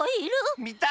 みたい！